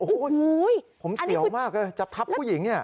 โอ้โหผมเสียวมากเลยจะทับผู้หญิง